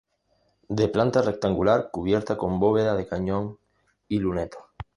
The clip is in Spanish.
De planta rectangular, cubierta con bóveda de cañón y lunetos.